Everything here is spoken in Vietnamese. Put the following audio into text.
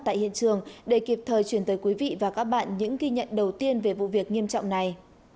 tại hiện trường để kịp thời chuyển tới quý vị và các bạn những ghi nhận đầu tiên về vụ việc nghiêm trọng này